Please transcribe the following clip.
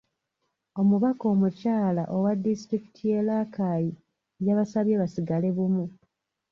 Omubaka omukyala owa disitulikiti y’e Rakai yabasabye basigale bumu.